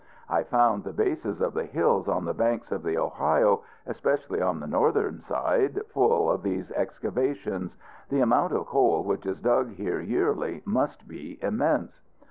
I found the bases of the hills on the banks of the Ohio, especially on the northern side, full of these excavations. The amount of coal which is dug here yearly must be immense.